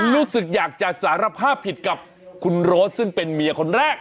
รู้สึกอยากจะสารภาพผิดกับคุณโรสซึ่งเป็นเมียคนแรก